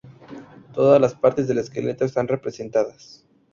Todas las partes del esqueleto están representadas.